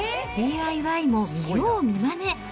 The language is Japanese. ＤＩＹも見よう見まね。